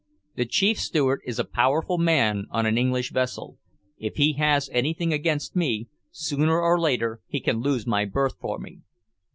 The Chief Steward is a powerful man on an English vessel. If he has anything against me, sooner or later he can lose my berth for me.